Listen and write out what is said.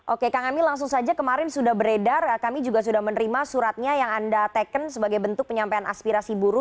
oke kang emil langsung saja kemarin sudah beredar kami juga sudah menerima suratnya yang anda teken sebagai bentuk penyampaian aspirasi buruh